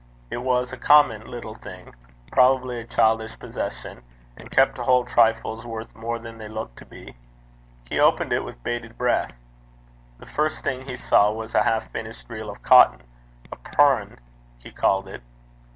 It was a common little thing, probably a childish possession, and kept to hold trifles worth more than they looked to be. He opened it with bated breath. The first thing he saw was a half finished reel of cotton a pirn, he called it.